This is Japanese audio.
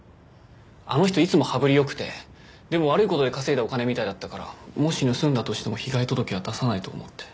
あの人いつも羽振り良くてでも悪い事で稼いだお金みたいだったからもし盗んだとしても被害届は出さないと思って。